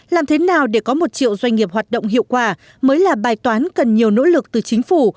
làm thế nào để có một triệu doanh nghiệp hoạt động hiệu quả mới là bài toán cần nhiều nỗ lực từ chính phủ